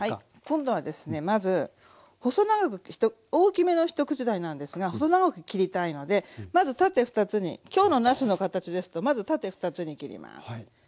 今度はですねまず細長く大きめの一口大なんですが細長く切りたいのでまず縦２つに今日のなすの形ですとまず縦２つに切ります。